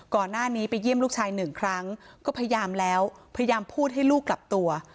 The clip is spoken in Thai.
ก่อนหน้านี้ไปเยี่ยมลูกชายหนึ่งครั้งก็พยายามแล้วพยายามพูดให้ลูกกลับตัว